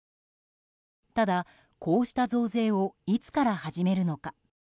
ただ、こうした増税をいつから始めるのか。